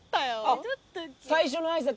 あっ最初の挨拶